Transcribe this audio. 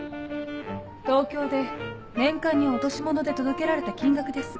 東京で年間に落とし物で届けられた金額です。